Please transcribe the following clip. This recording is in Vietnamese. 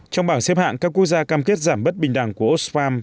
trong bảng xếp hạng các quốc gia cam kết giảm bất bình đẳng của osfarm